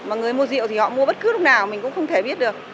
mà người mua rượu thì họ mua bất cứ lúc nào mình cũng không thể biết được